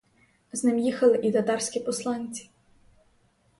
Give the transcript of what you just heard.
З ним їхали і татарські посланці.